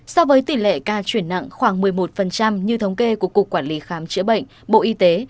so với tỷ lệ ca chuyển nặng khoảng một mươi một như thống kê của cục quản lý khám chữa bệnh bộ y tế